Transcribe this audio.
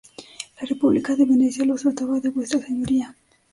La república de Venecia, los trataba de vuestra señoría.